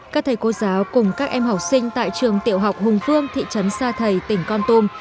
các thầy cô giáo cùng các em học sinh tại trường tiểu học hùng phương thị trấn sa thầy tỉnh con tum